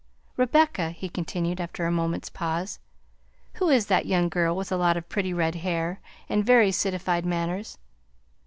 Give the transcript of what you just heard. "Rebecca," he continued, after a moment's pause, "who is that young girl with a lot of pretty red hair and very citified manners?